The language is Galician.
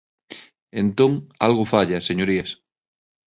Entón, algo falla, señorías.